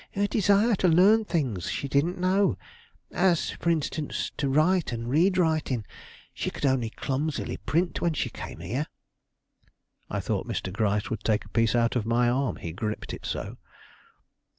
"Her desire to learn things she didn't know; as, for instance, to write and read writing. She could only clumsily print when she came here." I thought Mr. Gryce would take a piece out of my arm, he griped it so.